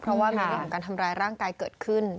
เพราะว่ามีเรื่องของการทำร้ายร่างกายเกิดขึ้น